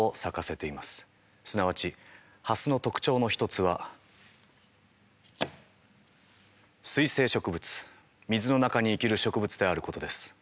すなわちハスの特徴の一つは水生植物水の中に生きる植物であることです。